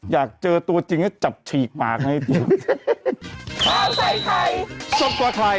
อยากเจอตัวจริงจะจับฉีกปากนะพี่เกี๊ยบ